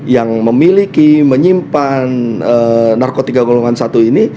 yang memiliki menyimpan narkotika golongan satu ini